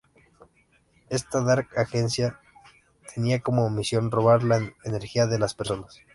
Esta Dark Agency tenía como misión robar la energía de las personas.